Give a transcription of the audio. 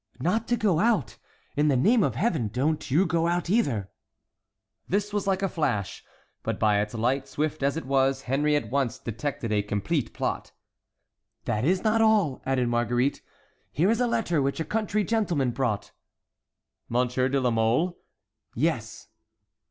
"Not to go out. In the name of Heaven, do not you go out either!" This was like a flash; but by its light, swift as it was, Henry at once detected a complete plot. "This is not all," added Marguerite; "here is a letter, which a country gentleman brought." "Monsieur de la Mole?" "Yes."